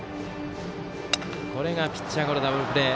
これがピッチャーゴロでダブルプレー。